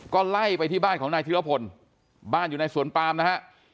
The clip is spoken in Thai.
ก็ไล่ไปที่บ้านของนายธิรพลบ้านอยู่ในสวนปามนะฮะ